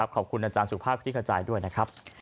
ขอบคุณอาจารย์สุภาพคลิกขจายด้วยนะครับ